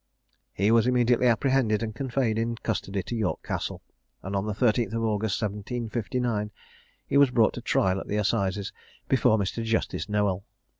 He was immediately apprehended and conveyed in custody to York Castle; and on the 13th of August 1759, he was brought to trial at the assizes before Mr. Justice Noel.